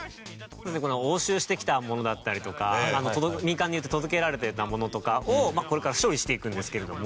押収してきたものだったりとか民間によって届けられていたものとかをこれから処理していくんですけれども。